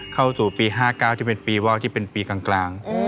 เข้าสู่ปี๕๙ที่เป็นปีว่าวที่เป็นปีกลาง